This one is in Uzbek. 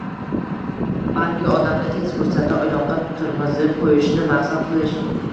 balki odamni tez fursatda oyoqqa turg‘azib qo‘yishni maqsad qilish;